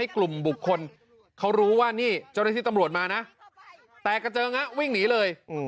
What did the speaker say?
กลุ่มบุคคลเขารู้ว่านี่เจ้าหน้าที่ตำรวจมานะแตกกระเจิงวิ่งหนีเลย